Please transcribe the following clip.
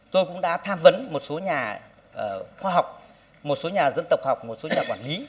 tôi cũng đã tham vấn một số nhà khoa học một số nhà dân tộc học một số nhà quản lý